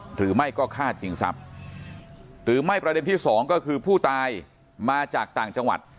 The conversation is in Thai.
หรือไม่ก็ฆ่าชิงทรัพย์หรือไม่ประเด็นที่สองก็คือผู้ตายมาจากต่างจังหวัด